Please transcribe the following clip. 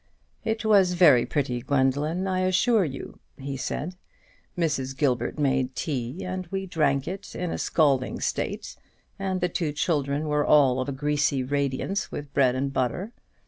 "It was very pretty, Gwendoline, I assure you," he said. "Mrs. Gilbert made tea, and we drank it in a scalding state; and the two children were all of a greasy radiance with bread and butter.